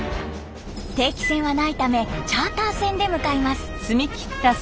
定期船はないためチャーター船で向かいます。